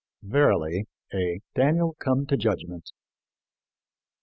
Verily, "a Daniel come to judgment."